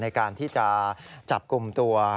ในการที่จะจับกลุ่มตัว